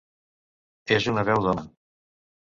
És una veu d'home.